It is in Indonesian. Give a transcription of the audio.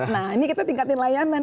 nah ini kita tingkatin layanan